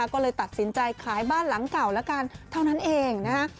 ก็เลยตัดสินใจขายบ้านหลังเก่าแล้วกันเท่านั้นเองนะฮะ